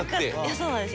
そうなんですよ